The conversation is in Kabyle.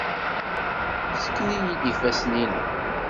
Ssken-iyi-d ifassen-nnem.